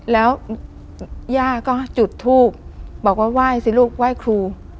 แล้วย่าก็จุดทูบบอกว่าไหว้สิลูกไหว้ครู